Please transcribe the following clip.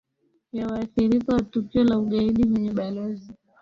ya waathirika wa tukio la ugaidi kwenye Balozi